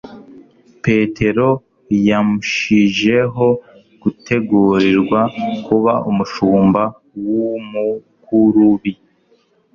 Petero yamshijeho gutegurirwa kuba umushumba w'umukurubi.